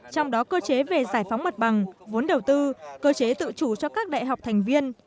trong đó cơ chế về giải phóng mặt bằng vốn đầu tư cơ chế tự chủ cho các đại học thành viên